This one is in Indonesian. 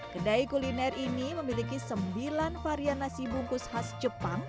kedai kuliner ini memiliki sembilan varian nasi bungkus khas jepang